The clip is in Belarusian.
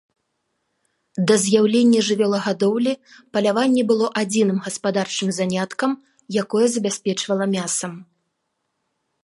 Да з'яўлення жывёлагадоўлі паляванне было адзіным гаспадарчым заняткам, якое забяспечвала мясам.